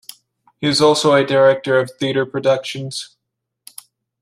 He is also a director of theater productions.